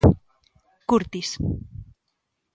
Curtis.